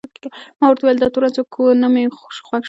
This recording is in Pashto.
ما ورته وویل: دا تورن څوک و؟ نه مې خوښ شو.